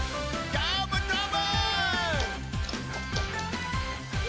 どーもどーも！